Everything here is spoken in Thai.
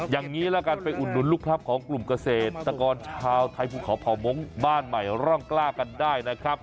อย่างนี้ละกันไปอุดหนุนลูกพลับของกลุ่มเกษตรกรชาวไทยภูเขาเผ่ามงค์บ้านใหม่ร่องกล้ากันได้นะครับ